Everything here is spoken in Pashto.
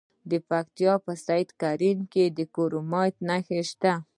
د پکتیا په سید کرم کې د کرومایټ نښې شته.